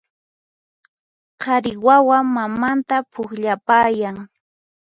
Qhari wawa mamanta pukllapayan